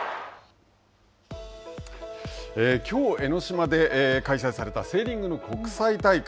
きょう、江の島で開会されたセーリングの国際大会。